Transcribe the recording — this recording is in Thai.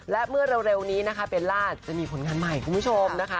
และเมื่อเร็วนี้นะคะเบลล่าจะมีผลงานใหม่คุณผู้ชมนะคะ